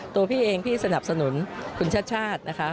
ตัวพี่เองพี่สนับสนุนคุณชาติชาตินะคะ